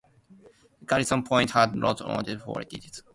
Garrison Point had long been fortified.